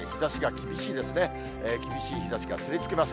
厳しい日ざしが照りつけます。